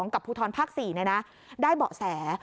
กับภูทรภาค๔ได้เบาะแส